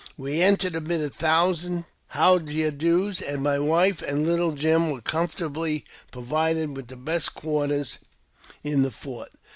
We entered amid a thousand How d'ye do's, and my wife and " Little Jim " were comfortably provided with the best quarters in the fort.